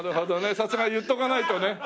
さすが言っとかないとね。